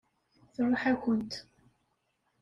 Tṛuḥ-akent.